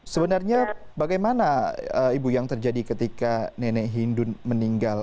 sebenarnya bagaimana ibu yang terjadi ketika nenek hindun meninggal